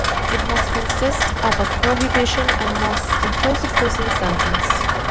It must consist of a prohibition and must impose a prison sentence.